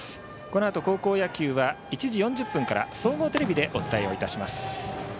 このあと高校野球は１時４０分から総合テレビでお伝えします。